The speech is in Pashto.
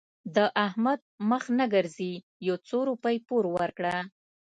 د احمد مخ نه ګرځي؛ يو څو روپۍ پور ورکړه.